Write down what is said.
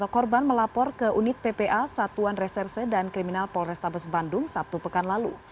korban melapor ke unit ppa satuan reserse dan kriminal polrestabes bandung sabtu pekan lalu